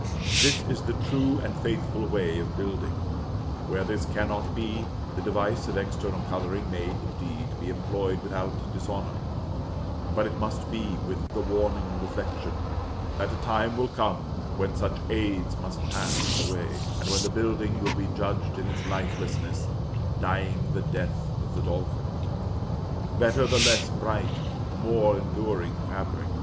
This is the true and faithful way of building; where this cannot be, the device of external coloring may, indeed, be employed without dishonor; but it must be with the warning reflection, that a time will come when such aids must pass away, and when the building will be judged in its lifelessness, dying the death of the dolphin. Better the less bright, more enduring fabric.